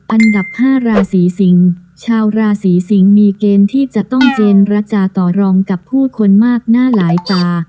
อันดับ๕ราศีสิงศ์ชาวราศีสิงศ์มีเกณฑ์ที่จะต้องเจนระจาต่อรองกับผู้คนมากหน้าหลายตา